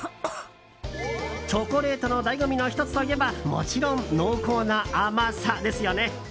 チョコレートの醍醐味の１つといえばもちろん、濃厚な甘さですよね。